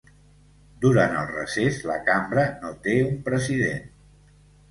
Durant el recés, la cambra no té un president.